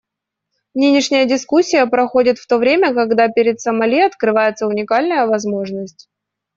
Нынешняя дискуссия проходит в то время, когда перед Сомали открывается уникальная возможность.